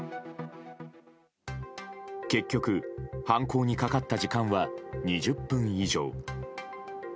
結局、犯行にかかった時間は２０分以上。